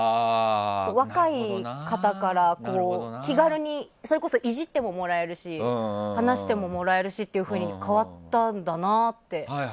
若い方から気軽にそれこそイジってももらえるし話してももらえるしというふうに変わったんだなって。